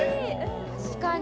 確かに。